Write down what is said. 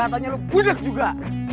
cantongan gua kena